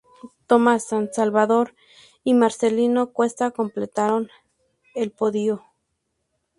Tomás San Salvador y Marcelino Cuesta completaron el podio.